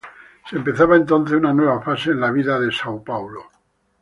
Se empezaba entonces, una nueva fase en la vida del São Paulo.